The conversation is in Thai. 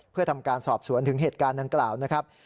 เพื่อทำการสอบสวนถึงเหตุการณ์ดังกล่าวนะครับ